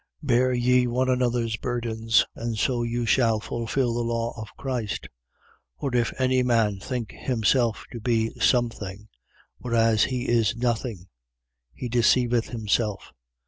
6:2. Bear ye one another's burdens: and so you shall fulfil the law of Christ. 6:3. For if any man think himself to be some thing, whereas he is nothing, he deceiveth himself.